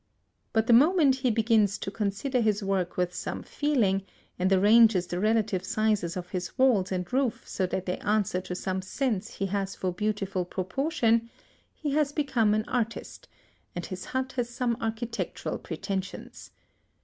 But the moment he begins to consider his work with some feeling, and arranges the relative sizes of his walls and roof so that they answer to some sense he has for beautiful proportion, he has become an artist, and his hut has some architectural pretensions.